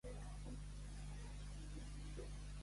Mel de ca Tem.